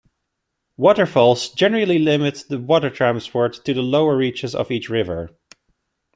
Waterfalls generally limit water transport to the lower reaches of each river.